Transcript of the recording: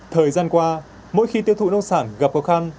thời gian qua mỗi khi tiêu thụ nông sản gặp khó khăn